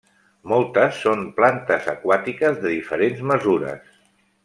Moltes són plantes aquàtiques de diferents mesures.